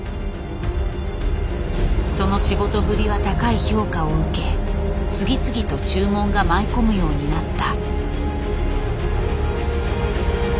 その仕事ぶりは高い評価を受け次々と注文が舞い込むようになった。